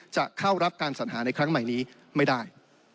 จะเข้ารับการสัญหาในครั้งใหม่นี้ไม่ได้